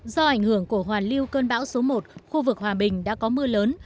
do ảnh hưởng của hoàn lưu cơn bão số một khu vực hòa bình đã có mưa lớn